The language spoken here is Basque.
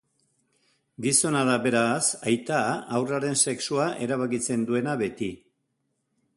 Gizona da beraz, aita, haurraren sexua erabakitzen duena beti.